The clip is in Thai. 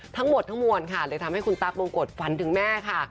ทั้งหมดทั้งมวลค่ะเลยทำให้คุณตั๊กบงกฎฝันถึงแม่ค่ะ